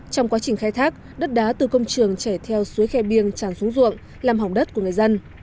trong quá trình khai thác đất đá từ công trường chảy theo suối khe biêng tràn xuống ruộng làm hỏng đất của người dân